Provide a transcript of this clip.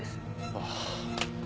ああ。